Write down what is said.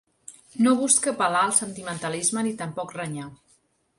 No busca apel·lar al sentimentalisme ni tampoc renyar.